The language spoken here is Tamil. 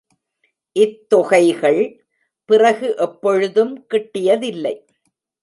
இத் தொகைகள் பிறகு எப்பொழுதும் கிட்டியதில்லை.